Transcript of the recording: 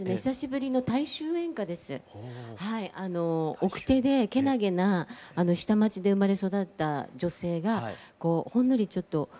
奥手でけなげな下町で生まれ育った女性がほんのりちょっと恋心。